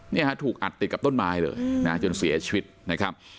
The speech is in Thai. เนี่ยฮะถูกอัดติดกับต้นไม้เลยนะจนเสียชีวิตนะครับ